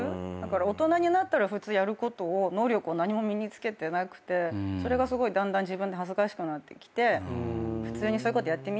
大人になったら普通やることを能力を何も身に付けてなくてそれがすごいだんだん自分で恥ずかしくなってきて普通にそういうことやってみようって。